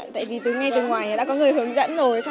tại vì từ ngay từ ngoài đã có người hướng dẫn rồi